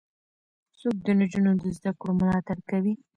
څوک د نجونو د زدهکړو ملاتړ کوي؟